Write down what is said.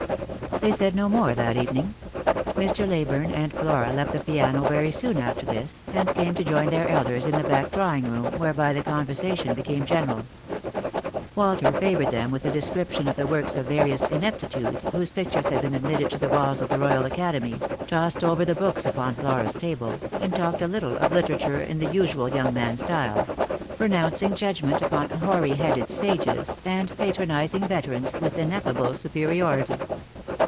They said no more that evening. Mr. Leyburne and Flora left the piano very soon after this, and came to join their elders in the back drawing room, whereby the conversation becai^ general. Walter favoured them with a description of the works of various " ineptitudes " whose pictures had been admitted to the walls of the Eoyal Academy, tossed over the books upon Flora's table, and talked a little of literature in the usual young man style; pronouncing judgment upon hoary headed sages, and patronizing veterans, with ineffable superiority.